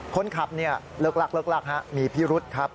คนขับเลิกลักษณ์หนีพิรุษครับ